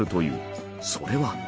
それは。